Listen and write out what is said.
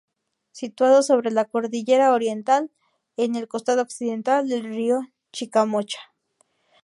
Situado sobre la cordillera oriental, en el costado occidental del río Chicamocha.